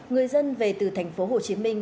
người dân về từ tp hồ chí minh